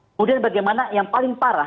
kemudian bagaimana yang paling parah